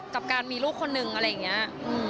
กับการมีลูกคนนึงอะไรอย่างนี้